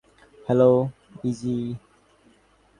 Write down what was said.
Hello, ইযি।